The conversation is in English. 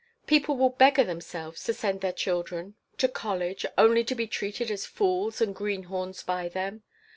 People will beggar themselves to send their children to college, only to be treated as fools and greenhorns by them.